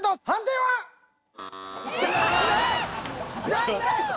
残念！